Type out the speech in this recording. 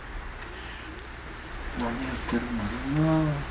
何やってるんだろうなあ。